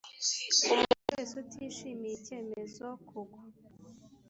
Umuntu wese utishimiye icyemezo kugwa